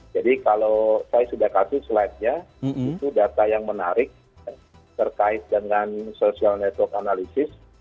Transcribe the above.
jadi kalau saya sudah kasih slide nya itu data yang menarik terkait dengan social network analysis